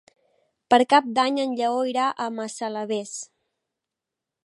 Per Cap d'Any en Lleó irà a Massalavés.